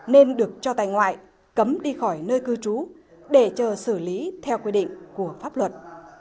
nên được cho tại ngoại cấm đi khỏi nơi cư trú để chờ xử lý theo quy định của pháp luật